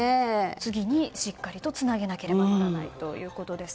次にしっかりとつなげなければならないと。